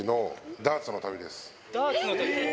ダーツの旅？